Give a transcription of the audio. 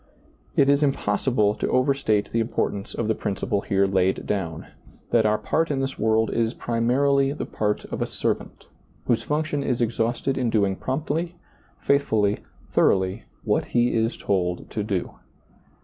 It is impossible to overstate the importance of the principle here laid down — that our part in this ^lailizccbvGoOgle THE UNPROFITABLE SERVANT 57 world is primarily the part of a servant, whose function is exhausted in doing promptly, faithfully, thoroughly, what he is told to do.